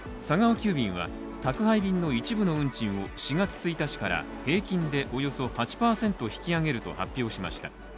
急便は宅配便の一部の運賃を４月１日から平均でおよそ８％引き上げると発表しました。